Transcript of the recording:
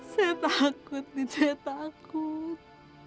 saya takut itu saya takut